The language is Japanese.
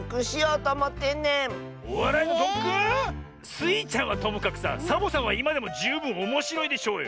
スイちゃんはともかくさサボさんはいまでもじゅうぶんおもしろいでしょうよ！